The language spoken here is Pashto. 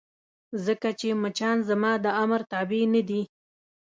ځکه چې مچان زما د امر تابع نه دي.